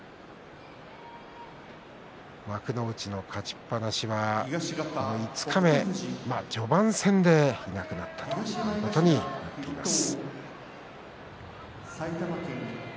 幕内の勝ちっぱなしは五日目、序盤戦でいなくなったということになっています。